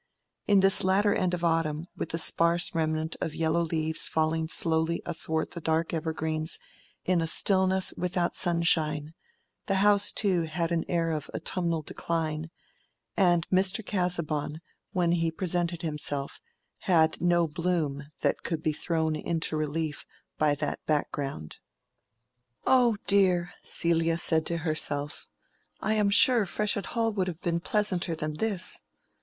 In this latter end of autumn, with a sparse remnant of yellow leaves falling slowly athwart the dark evergreens in a stillness without sunshine, the house too had an air of autumnal decline, and Mr. Casaubon, when he presented himself, had no bloom that could be thrown into relief by that background. "Oh dear!" Celia said to herself, "I am sure Freshitt Hall would have been pleasanter than this."